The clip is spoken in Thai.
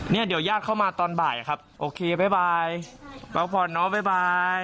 เนี่ยเดี๋ยวญาติเข้ามาตอนบ่ายครับโอเคบ๊ายบายพักผ่อนเนาะบ๊าย